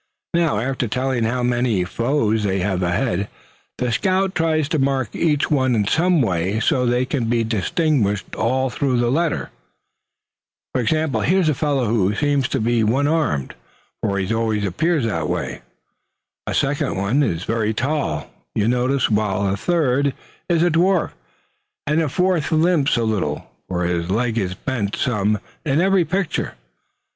"Now, after telling how many foes they have ahead, the scout tries to mark each one in some way so they can be distinguished all through the letter. Here's a fellow who seems to be one armed, for he always appears that way. A second is very tall, you notice, while a third is a dwarf, and a fourth limps a little, for his leg is bent some in every picture.